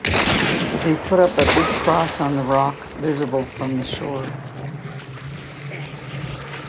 They put up a big Cross on the Rock, visible from the shore.